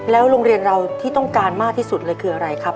โรงเรียนเราที่ต้องการมากที่สุดเลยคืออะไรครับ